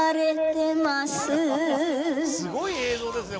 すごい映像ですよ